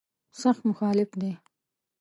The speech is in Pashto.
سخت مخالف دی.